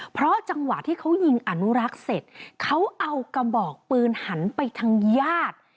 เพราะจังหวะที่เขายิงอนุรักษ์เสร็จเขาเอากระบอกปืนหันไปทางญาติ